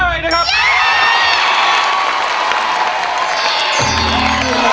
ร้องได้ร้องได้ร้องได้ร้องได้